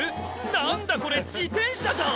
何だこれ自転車じゃん！